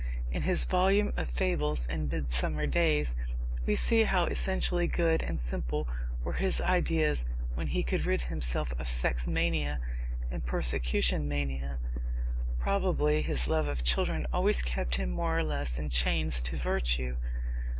In his volume of fables, In Midsummer Days, we see how essentially good and simple were his ideas when he could rid himself of sex mania and persecution mania. Probably his love of children always kept him more or less in chains to virtue.